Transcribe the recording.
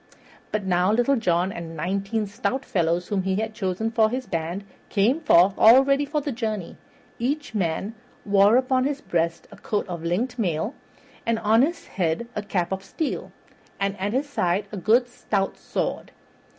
But now Little John and nineteen stout fellows whom he had chosen for his band, came forth all ready for the journey. Each man wore upon his breast a coat of linked mail, and on his head a cap of steel, and at his side a good stout sword.